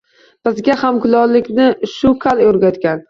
Bizga ham kulollikni shu kal o‘rgatgan